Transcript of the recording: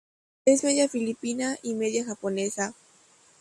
Es media-filipina y media-japonesa.